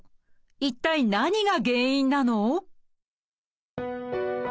一体何が原因なの？